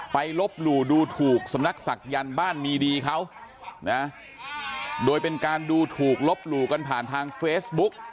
ลบหลู่ดูถูกสำนักศักยันต์บ้านมีดีเขานะโดยเป็นการดูถูกลบหลู่กันผ่านทางเฟซบุ๊ก